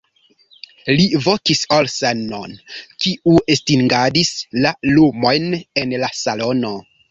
Li vokis Olsen'on, kiu estingadis la lumojn en la salono.